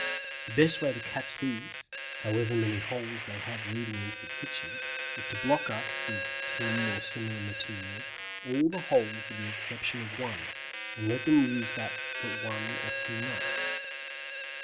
The best way to catch these however many holes they have leading into the kitchen is to block up (with tin or similar material) all the holes with the exception of one, and let them use that one for two nights.